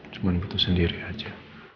cuma butuh sendiri aja